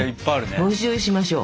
募集しましょう。